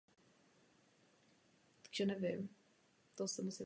Proto bude agent více ochoten ustoupit.